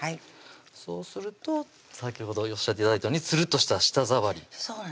そうすると先ほどおっしゃって頂いたようにツルッとした舌触りそうなんです